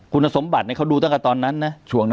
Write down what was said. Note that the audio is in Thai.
คุณสมบัติเขาดูตั้งแต่ตอนนั้นนะ